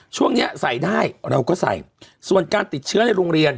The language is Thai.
ช่วงนี้ใส่ได้เราก็ใส่ส่วนการติดเชื้อในโรงเรียน